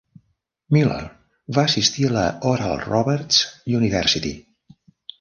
Miller va assistir a l'Oral Roberts University.